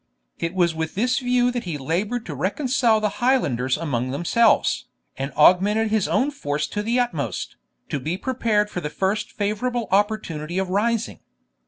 It was with this view that he laboured to reconcile the Highlanders among themselves, and augmented his own force to the utmost, to be prepared for the first favourable opportunity of rising.